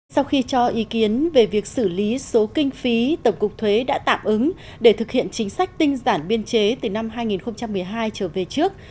sau khi cho ý kiến về việc xử lý số kinh phí tổng cục thuế đã tạm ứng để thực hiện chính sách tinh giản biên chế từ năm hai nghìn một mươi hai trở về trước